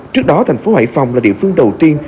trước đó thành phố hải phòng là địa phương đầu tiên